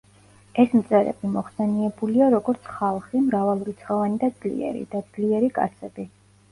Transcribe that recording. ეს მწერები მოხსენიებულია როგორც „ხალხი, მრავალრიცხოვანი და ძლიერი“ და „ძლიერი კაცები“.